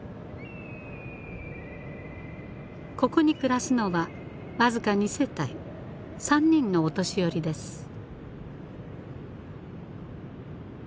ここに暮らすのは僅か２世帯３人のお年寄りです。